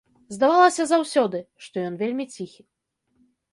Здавалася заўсёды, што ён вельмі ціхі.